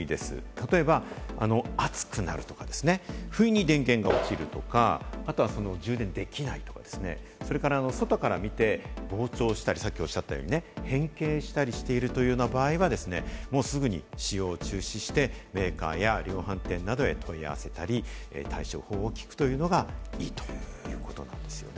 例えば、熱くなるとか不意に電源が落ちるとか、または充電できないとか、それから外から見て膨張したり、さっきおっしゃったようにね、変形しているなどの場合は、使用を中止して、メーカーや量販店などへ問い合わせたり、対処法を聞くというのがいいということなんですよね。